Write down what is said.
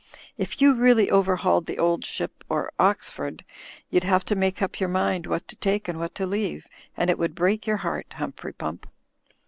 If you really overhauled 'The Old Ship*— or Oxford — ^you'd have to make up your mind what to take and what to leave, and it would break your heart, Humphrey Pump."